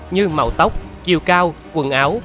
như màu tóc chiều cao quần áo